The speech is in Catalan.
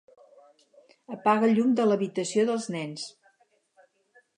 Apaga el llum de l'habitació dels nens.